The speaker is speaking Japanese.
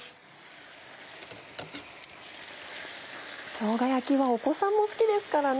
しょうが焼きはお子さんも好きですからね。